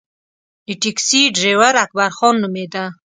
د ټیکسي ډریور اکبرخان نومېده.